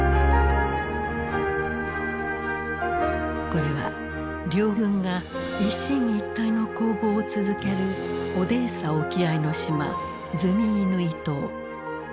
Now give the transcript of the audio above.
これは両軍が一進一退の攻防を続けるオデーサ沖合の島ズミイヌイ島。